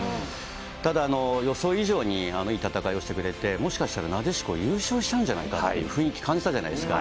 ただ、予想以上にいい戦いをしてくれて、もしかしたらなでしこ、優勝しちゃうんじゃないかっていう雰囲気感じたじゃないですか。